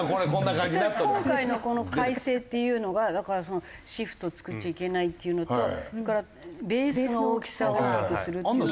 今回のこの改正っていうのがだからそのシフトを作っちゃいけないっていうのとそれからベースの大きさを大きくするっていうのは。